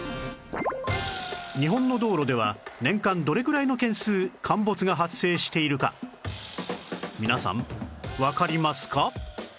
日本の道路では年間どれぐらいの件数陥没が発生しているか皆さんわかりますか？